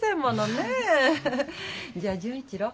じゃあ純一郎